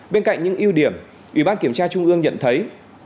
bên cạnh những ưu điểm ủy ban kiểm tra trung ương nhận thấy